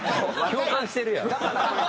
共感してるやん。